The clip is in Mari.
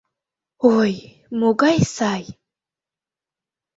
Ой, могай сай.